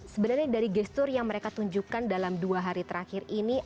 sebenarnya dari gestur yang mereka tunjukkan dalam dua hari terakhir ini